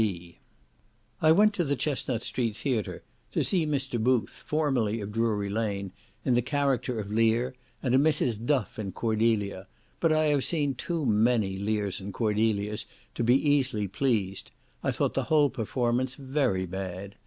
D." I went to the Chesnut Street Theatre to see Mr. Booth, formerly of Drury Lane, in the character of Lear, and a Mrs. Duff in Cordelia; but I have seen too many Lears and Cordelias to be easily pleased; I thought the whole performance very bad.